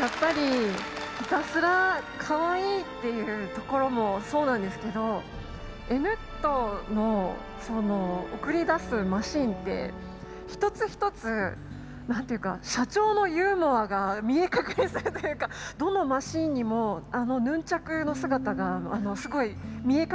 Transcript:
やっぱりひたすらかわいいっていうところもそうなんですけどＮットーの送り出すマシンって一つ一つ何というか社長のユーモアが見え隠れするというかどのマシンにもあのヌンチャクの姿がすごい見え隠れするんですよね。